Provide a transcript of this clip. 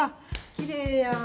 きれいやん！